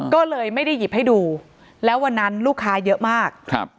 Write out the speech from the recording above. ก็เลยไม่ได้หยิบให้ดูแล้ววันนั้นลูกค้าเยอะมากครับ